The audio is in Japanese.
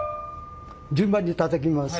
順番にたたきます。